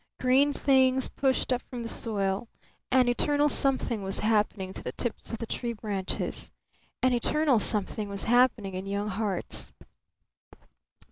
Green things pushed up from the soil; an eternal something was happening to the tips of the tree branches; an eternal something was happening in young hearts.